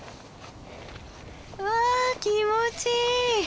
うわ気持ちいい！